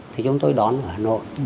thì chúng tôi đón ở hà nội